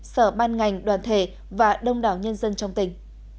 sở ban ngành đoàn thể và đông đảo nhân dân trong tỉnh